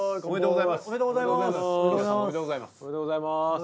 おめでとうございます。